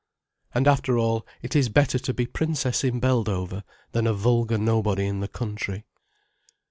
And after all, it is better to be princess in Beldover than a vulgar nobody in the country.